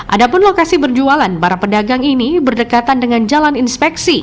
ada pun lokasi berjualan para pedagang ini berdekatan dengan jalan inspeksi